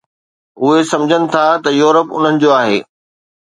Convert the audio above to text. اهي سمجهن ٿا ته يورپ انهن جو آهي